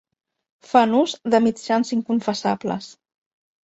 Fan ús de mitjans inconfessables.